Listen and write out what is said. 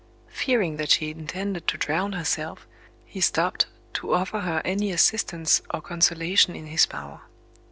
Fearing that she intended to drown herself, he stopped to offer her any assistance or consolation in his power.